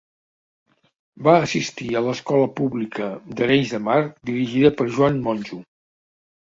Va assistir a l'escola pública d'Arenys de Mar dirigida per Joan Monjo.